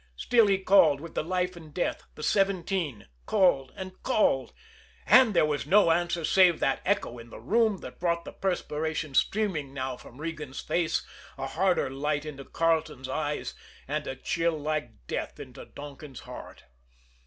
Still he called with the life and death the "seventeen" called and called. And there was no answer save that echo in the room that brought the perspiration streaming now from Regan's face, a harder light into Carleton's eyes, and a chill like death into Donkin's heart.